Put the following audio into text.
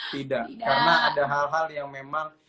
tidak karena ada hal hal yang memang